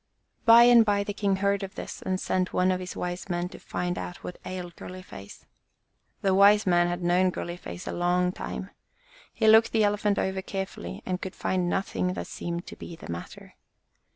By and by the king heard of this and sent one of his wise men to find out what ailed Girly face. The wise man had known Girly face a long time. He looked the Elephant over carefully and could find nothing that seemed to be the matter.